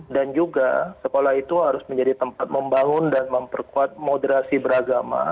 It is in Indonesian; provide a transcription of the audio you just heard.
dan juga sekolah itu harus menjadi tempat membangun dan memperkuat moderasi beragama